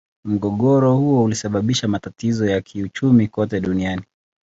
Mgogoro huo ulisababisha matatizo ya kiuchumi kote duniani.